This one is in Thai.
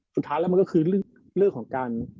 สุดท้ายแล้วมันก็คือเรื่องของการ